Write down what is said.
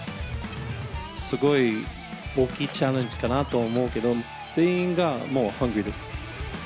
すごい大きいチャレンジかなと思うけど、全員がもうハングリーです。